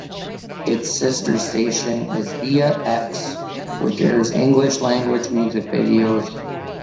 Its sister station is Via X which airs English language music videos.